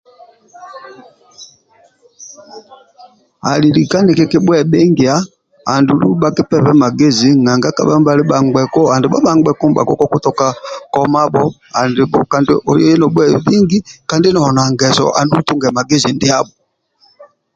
Ali lika nikikibhuebhingia andulu bhakipebe magezi nanga kabha nibhali bhangbheku andibho bhangbheku kokutoka komabho andibho kandi oye nobhuebhingi kandi noli na ngeso andulu otunge magezi ndiabho